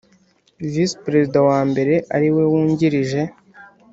Visi Perezida wa mbere ariwe wungirije